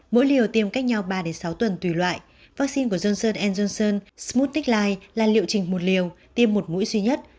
mỗi liều tiêm cách nhau ba sáu tuần tùy loại vaccine của johnson johnson smooth tickline là liệu trình một liều tiêm một mũi duy nhất